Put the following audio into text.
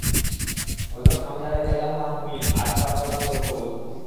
হযরত হামজা রাযিয়াল্লাহু আনহু-ই আজ তার প্রধান লক্ষ্য বস্তু।